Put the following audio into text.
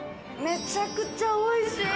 めちゃくちゃおいしい！